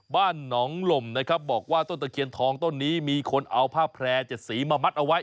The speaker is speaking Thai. บ้านหนองหล่มนะครับบอกว่าต้นตะเคียนทองต้นนี้มีคนเอาผ้าแพร่๗สีมามัดเอาไว้